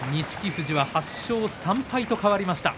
富士は８勝３敗と変わりました。